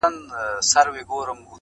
• شیخ پیودلی د ریا تار په تسبو دی..